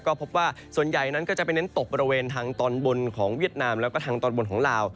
ก็พบว่าส่วนใหญ่นั้นก็จะไปเน้นตกบริเวณทางตอนบนของเวียดนามแล้วก็ทางตอนบนของลาว